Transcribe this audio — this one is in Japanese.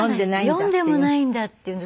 読んでもないんだっていう。